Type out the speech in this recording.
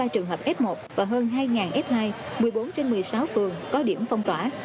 năm trăm chín mươi ba trường hợp s một và hơn hai s hai một mươi bốn trên một mươi sáu phường có điểm phong tỏa